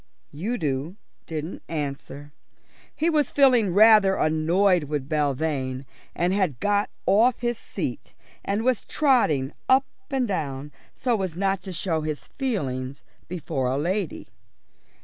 Udo didn't answer. He was feeling rather annoyed with Belvane, and had got off his seat and was trotting up and down so as not to show his feelings before a lady.